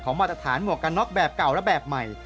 มาตรฐานหมวกกันน็อกแบบเก่าและแบบใหม่